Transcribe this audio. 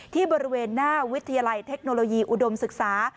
ที่บริเวณหน้าวิทยาลัยเทคโนโลยีอุดมศึกษา